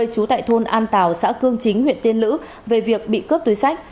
chú tại thôn an tào xã cương chính huyện tiên lữ về việc bị cướp túi sách